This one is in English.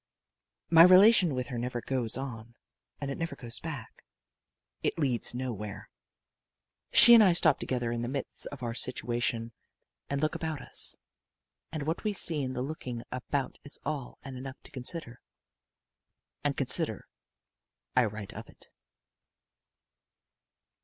My relation with her never goes on, and it never goes back. It leads nowhere. She and I stop together in the midst of our situation and look about us. And what we see in the looking about is all and enough to consider. And considering, I write of it.